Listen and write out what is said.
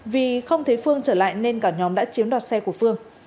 vì không thấy phương trở lại nên cả nhóm đã chiếm đoạt xe của phương